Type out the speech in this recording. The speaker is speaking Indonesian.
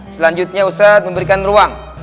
selanjutnya ustadz memberikan ruang